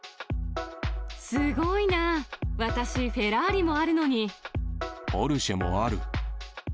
すごいな、私、ポルシェもある。